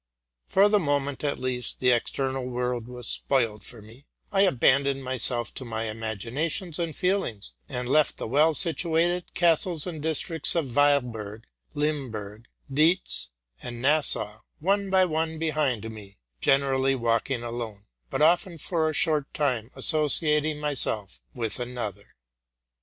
For the moment, at least, the external world was spoiled for me: I abandoned myself to my imaginations and feelings, and left the well situated castles and districts of W eilbure, Limburg, Diez, and Nassau, one by one, behind me, generally 142 TRUTH AND FICTION walking alone, but often for a short time associating mysetf with another.